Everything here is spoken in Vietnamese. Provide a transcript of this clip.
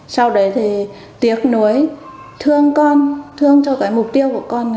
sau đấy thì tiếc nuối thương con thương cho cái mục tiêu của con